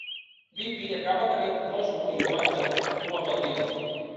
Bippy acaba tenint Cosmo i Wanda com a padrins.